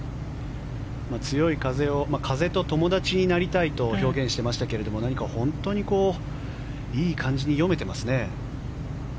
強い風を風と友達になりたいと表現していましたけれど本当にいい感じに読めてますね。